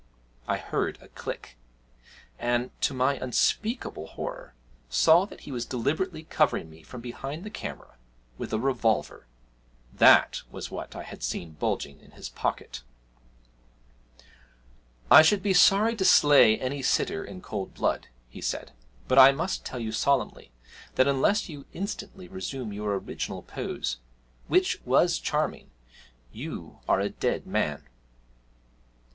I heard a click, and, to my unspeakable horror, saw that he was deliberately covering me from behind the camera with a revolver that was what I had seen bulging inside his pocket. 'I should be sorry to slay any sitter in cold blood,' he said, 'but I must tell you solemnly, that unless you instantly resume your original pose which was charming you are a dead man!'